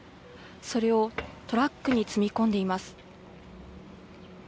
それをトラックに積み込んでいます。